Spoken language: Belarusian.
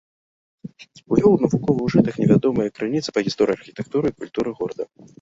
Увёў у навуковы ўжытак невядомыя крыніцы па гісторыі архітэктуры і культуры горада.